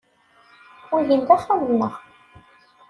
Wihin d axxam-nneɣ.